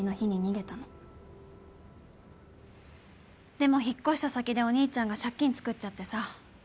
でも引っ越した先でお兄ちゃんが借金つくっちゃってさ。